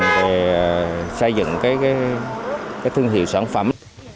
để xây dựng cái thương hiệu sản phẩm